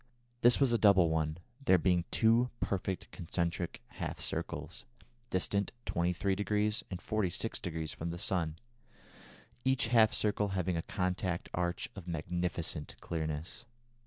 This was a double one, there being two perfect concentric half circles, distant 23° and 46° from the sun, each half circle having a contact arch of magnificent clearness.